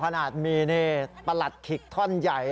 ขนาดมีประหลัดขิกท่อนใหญ่